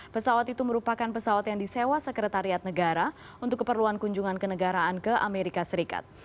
pesawat itu merupakan pesawat yang disewa sekretariat negara untuk keperluan kunjungan kenegaraan ke amerika serikat